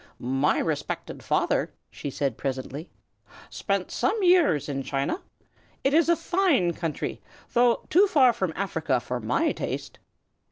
"My respected father," she said presently, "spent some years in China. It is a fine country, though too far from Africa for my taste."